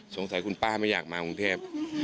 สงสัยคุณป้าไม่อยากมากรุงเทพ